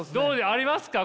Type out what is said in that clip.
ありますか？